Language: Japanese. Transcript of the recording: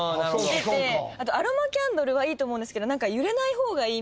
あとアロマキャンドルはいいと思うんですけど。